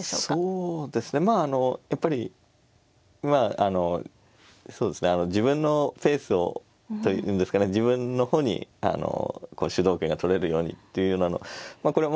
そうですねまあやっぱり自分のペースをというんですかね自分の方に主導権が取れるようにっていうようなまあ